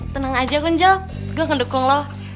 tenang aja lonjil gue akan dukung lo